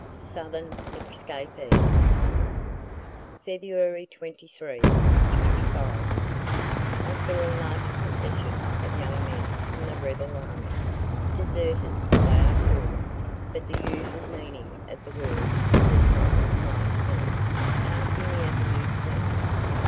SOUTHERN ESCAPEES Feb. 23, '65. I saw a large procession of young men from the rebel army, (deserters they are call'd, but the usual meaning of the word does not apply to them,) passing the Avenue to day.